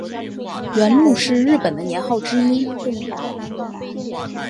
元禄是日本的年号之一。